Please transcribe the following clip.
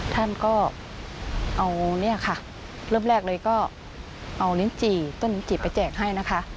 ท่านก็เริ่มแรกเลยเอาต้นลิ้นจีไปแจกให้